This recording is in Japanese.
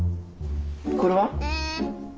これは？